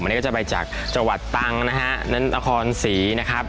วันนี้ก็จะไปจากจังหวัดตังนะฮะนครศรีนะครับ